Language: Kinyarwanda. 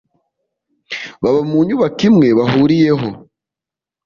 baba mu nyubako imwe bahuriyeho